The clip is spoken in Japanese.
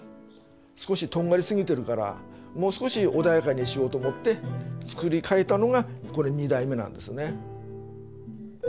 少しとんがりすぎているからもう少し穏やかにしようと思って作り変えたのがこれ二代目なんですよね。